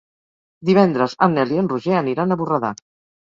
Divendres en Nel i en Roger aniran a Borredà.